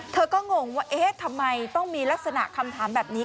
เธอก็งงว่าเอ๊ะทำไมต้องมีลักษณะคำถามแบบนี้